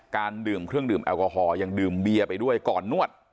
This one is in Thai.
ดื่มเครื่องดื่มแอลกอฮอล์ยังดื่มเบียร์ไปด้วยก่อนนวด